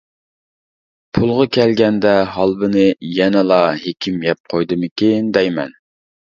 پۇلغا كەلگەندە ھالۋىنى يەنىلا ھېكىم يەپ قويدىمىكىن، دەيمەن!